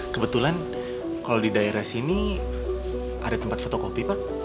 kebetulan kalau di daerah sini ada tempat fotokopi pak